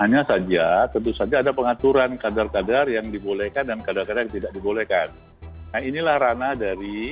yang mengandung satu zat yang dapat dilindungi